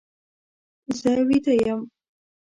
زه ویده یم.